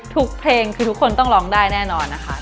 เพลงคือทุกคนต้องร้องได้แน่นอนนะคะ